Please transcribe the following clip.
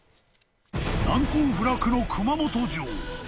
難攻不落の熊本城。